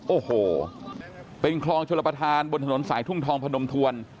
โอ้โหเป็นคลองชลประธานบนถนนสายทุ่งทองพนมทวน